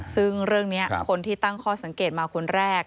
ซึ่งเรื่องนี้คนที่ตั้งข้อสังเกตมาคนแรก